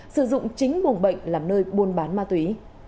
sử dụng chính buồng bệnh làm nơi buôn bán ma túy